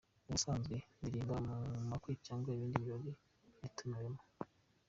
Ubusanzwe ndirimba mu makwe cyangwa ibindi birori natumiwemo.